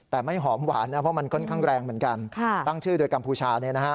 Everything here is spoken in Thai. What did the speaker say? แต่ไม่หอมหวานนะเพราะมันค่อนข้างแรงเหมือนกันตั้งชื่อโดยกัมพูชา